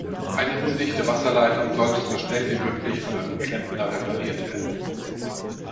Eine undichte Wasserleitung sollte so schnell wie möglich von einem Klempner repariert werden.